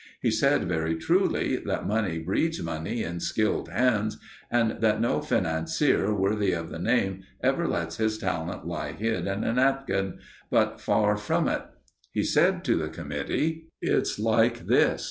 He said, very truly, that money breeds money in skilled hands, and that no financier worthy of the name ever lets his talent lie hid in a napkin, but far from it. He said to the committee: "It's like this.